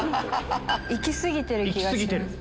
行き過ぎてる気がします。